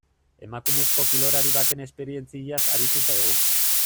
Emakumezko kirolari baten esperientziaz aritu zaigu.